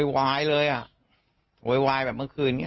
โหยวายแบบเมื่อคืนนี้